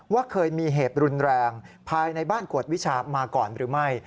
ว่าเคยมีเหตุรุนแรงภายในบ้านกวดวิชามาก่อนหรือไม่